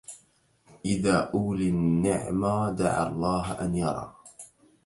إذا أولي النعمى دعا الله أن يرى